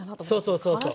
そうそうそうそう。